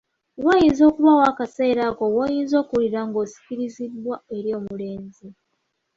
Wayinza okubaawo akaseera ako woyinza okuwulira ng'osikirizibwa eri omulenzi.